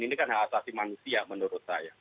ini kan hak asasi manusia menurut saya